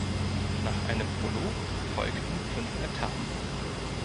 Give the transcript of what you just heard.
Nach einem Prolog folgten fünf Etappen.